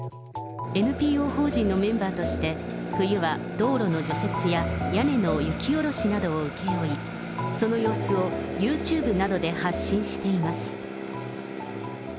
ＮＰＯ法人のメンバーとして、冬は道路の除雪や屋根の雪下ろしなどを請け負い、その様子をユーチューブなどで発信しています。